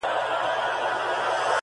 چي وهل یې ولي وخوړل بېځایه-